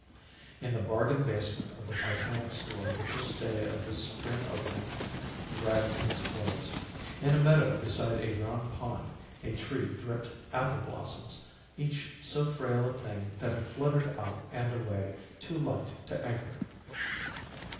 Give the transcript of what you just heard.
In the bargain basement of the Titanic Store the first day of the spring opening dragged to its close. In a meadow beside a round pond a tree dripped apple blossoms, each so frail a thing that it fluttered out and away, too light to anchor.